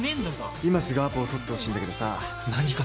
今すぐアポを取ってほしいんだけどさ。